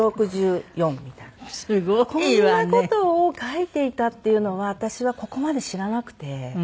こんな事を書いていたっていうのは私はここまで知らなくて。